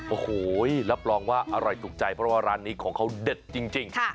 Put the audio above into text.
โอ้โหรับรองว่าอร่อยถูกใจเพราะว่าร้านนี้ของเขาเด็ดจริง